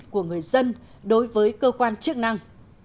của người dân đối với cơ quan chức năng